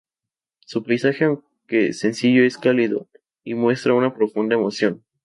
Su paisaje aunque sencillo es cálido y muestra una profunda emoción.